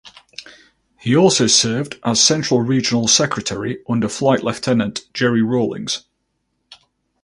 He also served as Central Regional secretary under Flight Lieutenant Jerry Rawlings.